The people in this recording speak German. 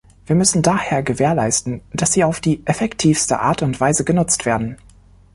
Wir müssen daher gewährleisten, dass sie auf die effektivste Art und Weise genutzt werden.